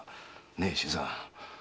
ねえ新さん。